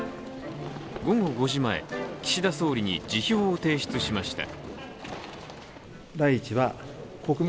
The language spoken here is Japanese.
午後５時前、岸田総理に辞表を提出しました。